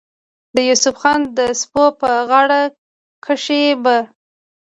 د يوسف خان د سپو پۀ غاړه کښې به